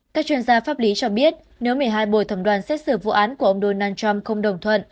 các chuyên gia pháp lý cho biết nếu một mươi hai bồi thẩm đoàn xét xử vụ án của ông donald trump không đồng thuận